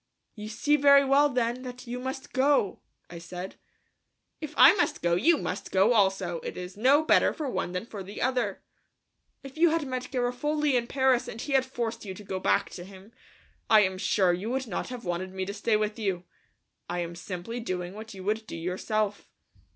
"You see very well, then, that you must go," I said. "If I must go, you must go also; it is no better for one than for the other." "If you had met Garofoli in Paris and he had forced you to go back to him, I am sure you would not have wanted me to stay with you. I am simply doing what you would do yourself."